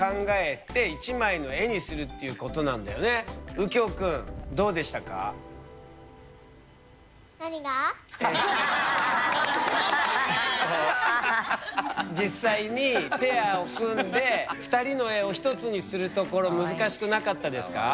うきょうくんどうでしたか？実際にペアを組んで２人の絵を１つにするところ難しくなかったですか？